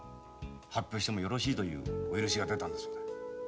発表してもよろしいというお許しが出たんだそうだ。